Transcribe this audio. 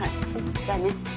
じゃあね。